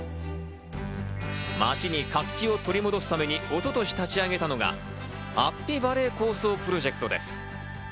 町に活気を取り戻すために一昨年立ち上げたのが、安比バレー構想プロジェクトです。